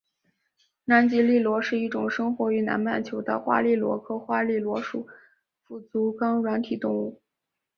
南极笠螺是一种生活于南半球的花笠螺科花笠螺属腹足纲软体动物。